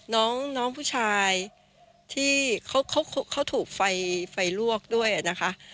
น้องผู้ชายที่เขาถูกไฟลวกด้วยนะคะ